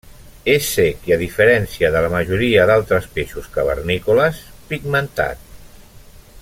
És cec i, a diferència de la majoria d'altres peixos cavernícoles, pigmentat.